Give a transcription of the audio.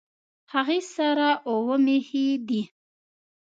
هغې سره اووه مېښې دي